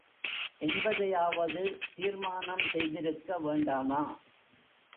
என்பதையாவது தீர்மானம் செய்திருக்க வேண்டாமா?